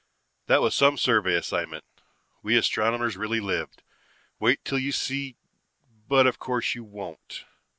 "That was some survey assignment. We astronomers really lived. Wait till you see but of course you won't.